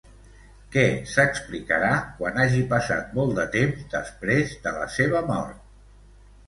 Què s'explicarà quan hagi passat molt de temps després de la seva mort?